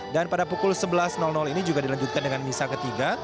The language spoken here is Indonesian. dan pada pukul sebelas ini juga dilanjutkan dengan misa ketiga